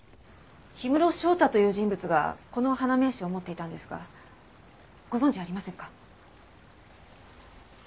氷室翔太という人物がこの花名刺を持っていたんですがご存じありませんか？